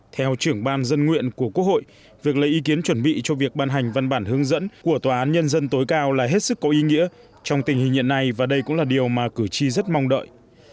theo trưởng ban dân nguyện của quốc hội việc lấy ý kiến chuẩn bị cho việc ban hành văn bản hướng dẫn của tòa án nhân dân tối cao là hết sức có ý nghĩa trong tình hình hiện nay và đây cũng là điều mà cử tri rất mong đợi